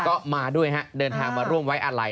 ก็มาด้วยฮะเดินทางมาร่วมไว้อาลัย